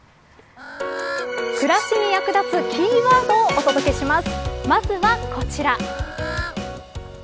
暮らしに役立つキーワードをお届けします。